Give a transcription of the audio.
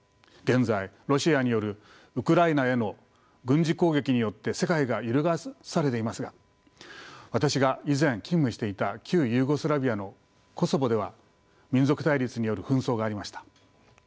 現在ロシアによるウクライナへの軍事攻撃によって世界が揺るがされていますが私が以前勤務していた旧ユーゴスラビアのコソボでは民族対立による紛争がありました。